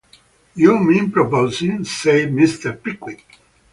‘You mean proposing?’ said Mr. Pickwick.